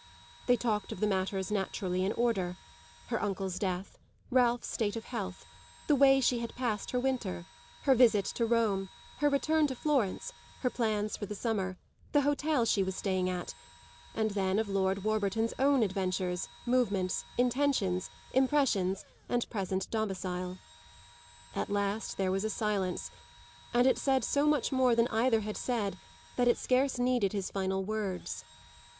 They talked of the matters naturally in order; her uncle's death, Ralph's state of health, the way she had passed her winter, her visit to Rome, her return to Florence, her plans for the summer, the hotel she was staying at; and then of Lord Warburton's own adventures, movements, intentions, impressions and present domicile. At last there was a silence, and it said so much more than either had said that it scarce needed his final words.